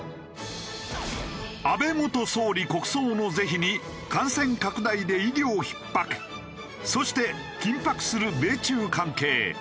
安倍元総理国葬の是非に感染拡大で医療ひっ迫そして緊迫する米中関係。